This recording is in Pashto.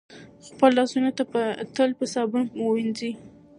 خپل لاسونه تل په صابون وینځئ.